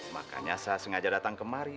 makanya saya sengaja datang kemari